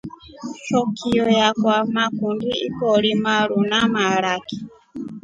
Shokio yakwa nakundi ikoro maru na maraki.